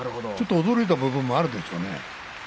ちょっと驚いたと分もあるでしょうね。